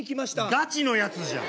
ガチのやつじゃん！